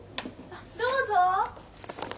どうぞ。